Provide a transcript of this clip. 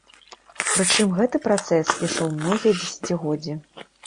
Пры чым гэты працэс ішоў многія дзесяцігоддзі.